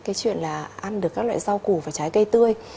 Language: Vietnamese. cái chuyện là ăn được các loại rau củ và trái cây tươi